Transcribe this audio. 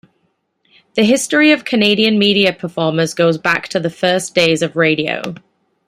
The history of Canadian media performers goes back to the first days of radio.